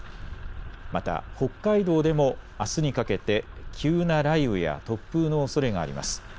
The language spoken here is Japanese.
また北海道でもあすにかけて急な雷雨や突風のおそれがあります。